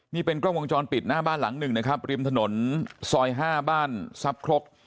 นี่เป็นกล้องวงจรปิดหน้าบ้านหลังหนึ่งนะครับริมถนนซอย๕บ้านทรัพย์ครก